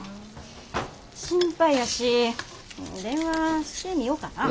心配やし電話してみよかな。